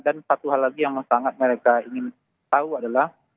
dan satu hal lagi yang sangat mereka ingin tahu adalah